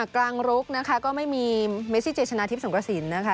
กลางรุกนะคะก็ไม่มีเมซิเจชนะทิพย์สงกระสินนะคะ